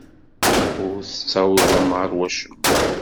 Ur tettawḍem ɣer wacemma.